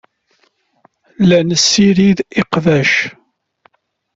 La nessirid iqbac.